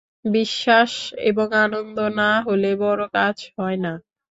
বিশ্বাস এবং আনন্দ না হলে বড়ো কাজ হয় না।